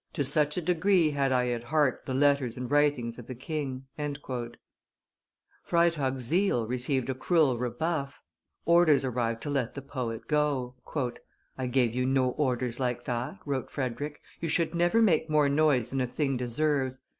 To such a degree had I at heart the letters and writings of the king." Freytag's zeal received a cruel rebuff: orders arrived to let the poet go. "I gave you no orders like that," wrote Frederick, "you should never make more noise than a thing deserves.